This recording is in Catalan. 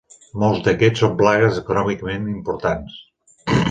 Molts d'aquests són plagues econòmicament importants.